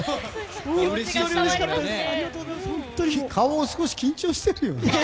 顔、少し緊張してるよね。